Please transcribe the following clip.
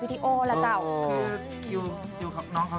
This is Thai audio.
เพราะว่าใจแอบในเจ้า